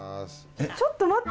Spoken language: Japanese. ちょっと待って。